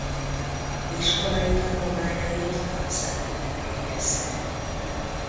Iskolai tanulmányait Nagyszebenben végezte.